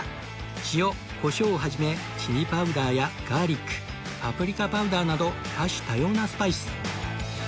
塩コショウを始めチリパウダーやガーリックパプリカパウダーなど多種多様なスパイス